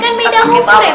kan beda humor ya